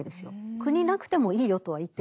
国なくてもいいよとは言ってないんです。